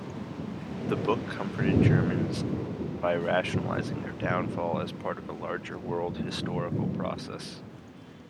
The book comforted Germans by rationalizing their downfall as part of larger world-historical processes.